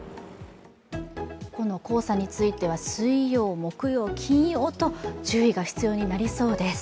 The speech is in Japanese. この黄砂については水曜、木曜、金曜と注意が必要になりそうです。